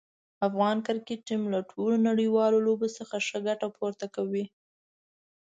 افغان کرکټ ټیم له ټولو نړیوالو لوبو څخه ښه ګټه پورته کوي.